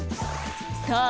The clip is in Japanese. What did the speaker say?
さあ